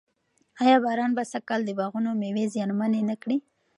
ایا باران به سږ کال د باغونو مېوې زیانمنې نه کړي؟